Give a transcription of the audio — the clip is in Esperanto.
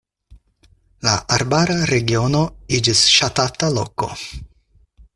La arbara regiono iĝis ŝatata loko.